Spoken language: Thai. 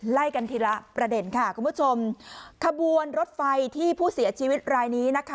ไล่กันทีละประเด็นค่ะคุณผู้ชมขบวนรถไฟที่ผู้เสียชีวิตรายนี้นะคะ